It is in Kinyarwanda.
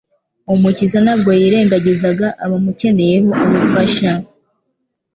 Umukiza ntabwo yirengagizaga abamukeneraho ubufasha